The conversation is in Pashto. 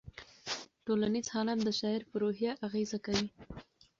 ټولنیز حالات د شاعر په روحیه اغېز کوي.